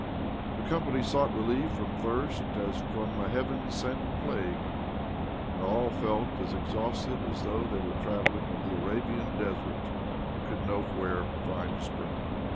The company sought relief from thirst as from a Heaven sent plague, and all felt as exhausted as though they were travelling in the Arabian desert, and could nowhere find a spring.